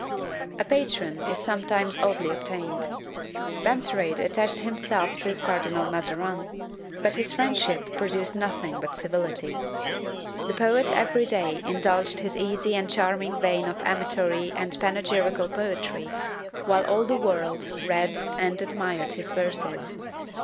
A patron is sometimes oddly obtained. Benserade attached himself to Cardinal Mazarin; but his friendship produced nothing but civility. The poet every day indulged his easy and charming vein of amatory and panegyrical poetry, while all the world read and admired his verses.